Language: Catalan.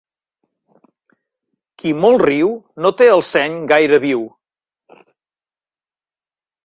Qui molt riu no té el seny gaire viu.